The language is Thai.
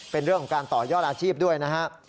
เป็นเรื่องของการต่อยอดอาชีพด้วยนะฮะ